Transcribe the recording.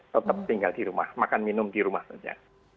tetap tinggal di rumah makan minum di rumah saja